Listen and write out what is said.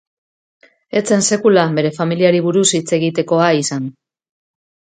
Ez zen sekula bere familiari buruz hitz egitekoa izan.